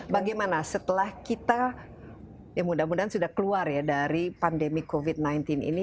bagaimana setelah kita ya mudah mudahan sudah keluar ya dari pandemi covid sembilan belas ini